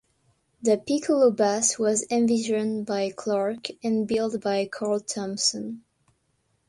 The piccolo bass was envisioned by Clarke and built by Carl Thompson.